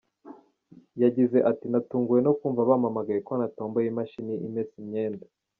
Yagize ati “Natunguwe no kumva bampamagaye ko natomboye imashini imesa imyenda.